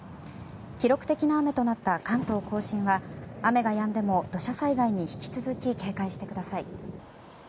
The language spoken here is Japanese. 記録的な雨となった関東・甲信は雨がやんでも土砂災害に引き続き警戒してください。